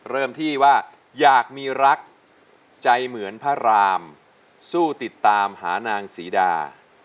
เริ่มที่ว่าอยากมีรักใจเหมือนพระรามสู้ติดตามหานางศรีดา